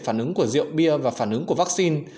phản ứng của rượu bia và phản ứng của vaccine